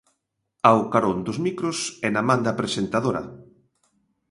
Ao carón dos micros e na man da presentadora.